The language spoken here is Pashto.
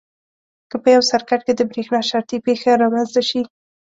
که په یو سرکټ کې د برېښنا شارټي پېښه رامنځته شي.